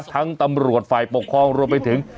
ทั้งตำรวจไฟปกครองรวมไปถึง